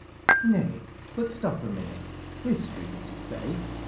Nay, but stop a minute ! History, did you say